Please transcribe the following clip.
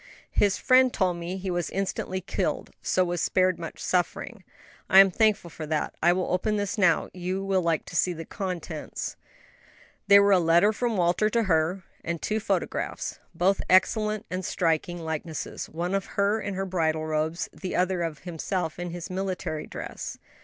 "His friend told me he was instantly killed, so was spared much suffering." "I am thankful for that. I will open this now; you will like to see the contents." They were a letter from Walter to her, and two photographs both excellent and striking likenesses; one of her in her bridal robes, the other of himself in his military dress.